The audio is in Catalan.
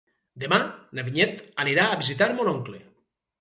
Demà na Vinyet anirà a visitar mon oncle.